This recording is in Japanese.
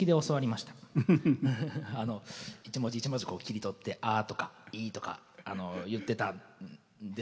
一文字一文字こう切り取って「あ」とか「い」とか言ってたんでしょうね。